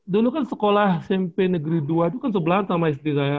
dulu kan sekolah smp negeri dua itu kan sebelahan sama istri saya